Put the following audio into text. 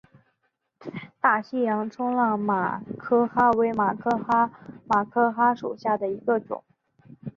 大西洋冲浪马珂蛤为马珂蛤科马珂蛤属下的一个种。